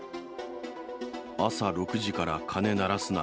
朝６時から鐘鳴らすな。